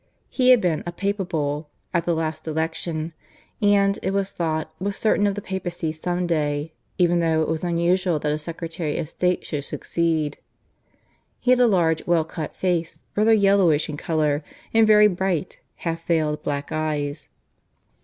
He had been a "Papabile" at the last election; and, it was thought, was certain of the papacy some day, even though it was unusual that a Secretary of State should succeed. He had a large, well cut face, rather yellowish in colour, with very bright, half veiled black eyes.